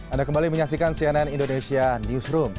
anda kembali menyaksikan cnn indonesia newsroom